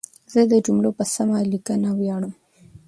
زه د جملو په سمه لیکنه ویاړم.